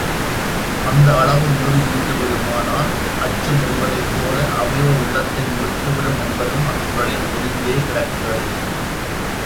அது அளவுக்கு மீறி நீண்டுவிடுமானால், அச்சு முறிவதைப்போல அவையோர் உள்ளத்தை முறித்துவிடும் என்பதும் அக்குறளில் பொதிந்தே கிடக்கிறது.